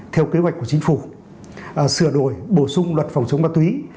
theo kế hoạch của chính phủ sửa đổi bổ sung luật phòng chống ma túy